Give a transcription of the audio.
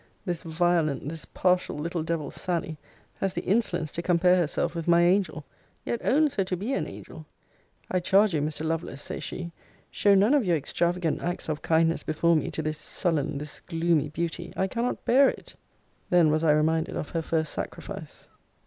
This violent, this partial little devil, Sally, has the insolence to compare herself with my angel yet owns her to be an angel. I charge you, Mr. Lovelace, say she, show none of your extravagant acts of kindness before me to this sullen, this gloomy beauty I cannot bear it. Then was I reminded of her first sacrifice.